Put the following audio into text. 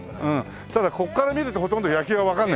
ただここから見るとほとんど野球はわかんないな。